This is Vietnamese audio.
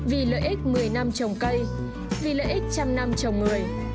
vì lợi ích một mươi năm trồng cây vì lợi ích trăm năm trồng người